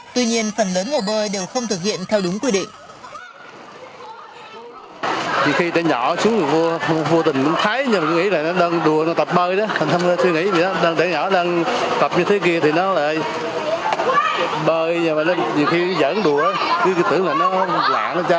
tuy nhiên phần lớn hồ bơi đều không thực hiện theo đúng quy định